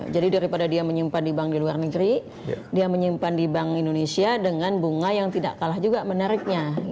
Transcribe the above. jadi daripada dia menyimpan di bank di luar negeri dia menyimpan di bank indonesia dengan bunga yang tidak kalah juga menariknya